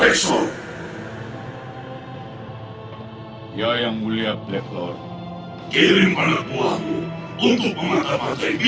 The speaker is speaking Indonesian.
itu dia yang akan menghentikan rituals perek hashah shani